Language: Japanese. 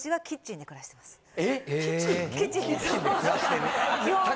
キッチンです。